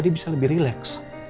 dia bisa lebih relax